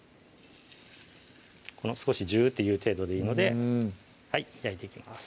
少しジューッていう程度でいいので焼いていきます